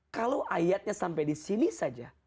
kalau ayatnya sampai disini saja